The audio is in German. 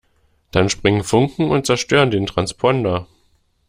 Dann springen Funken und zerstören den Transponder.